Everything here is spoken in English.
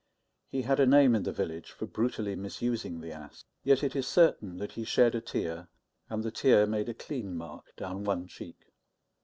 He had a name in the village for brutally misusing the ass; yet it is certain that he shed a tear, and the tear made a clean mark down one cheek.